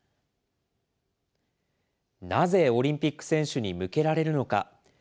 なぜオリンピック選手に向けられるのか。